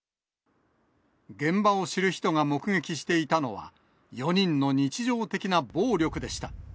現場を知る人が目撃していたのは、４人の日常的な暴力でした。